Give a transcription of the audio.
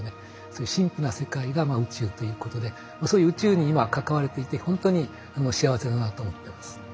そういう神秘な世界が宇宙ということでそういう宇宙に今関われていてほんとに幸せだなと思ってます。